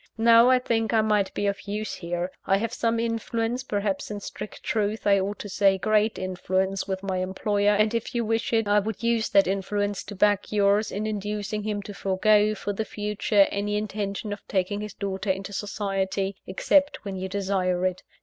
Now, I think I might be of use here. I have some influence perhaps in strict truth I ought to say great influence with my employer; and, if you wished it, I would use that influence to back yours, in inducing him to forego, for the future, any intention of taking his daughter into society, except when you desire it.